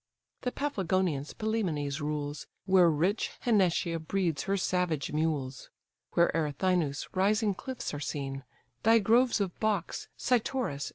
The Paphlagonians Pylæmenes rules, Where rich Henetia breeds her savage mules, Where Erythinus' rising cliffs are seen, Thy groves of box, Cytorus!